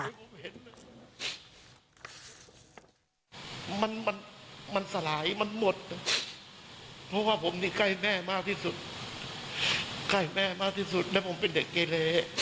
ใกล้แม่มากที่สุดและผมเป็นเด็กเกรเล